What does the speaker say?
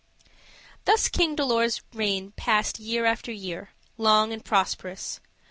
Thus King Dolor's reign passed year after year, long and prosperous.